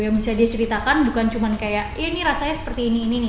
yang bisa dia ceritakan bukan cuma kayak ya ini rasanya seperti ini ini nih